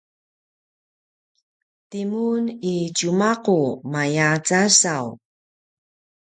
timun i tjumaqu maya casaw